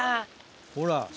ほら。